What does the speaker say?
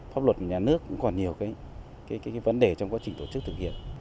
pháp luật của nhà nước cũng còn nhiều cái vấn đề trong quá trình tổ chức thực hiện